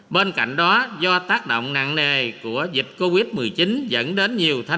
bên cạnh đó do tác động nặng nề của dịch covid một mươi chín dẫn đến nhiều thất bại